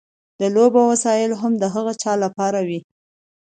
د لوبو وسایل هم د هغه چا لپاره وي.